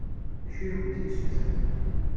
D acu i akent-d-tessuter?